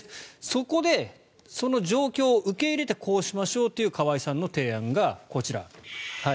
そこで、その状況を受け入れてこうしましょうという河合さんの提案がこちら。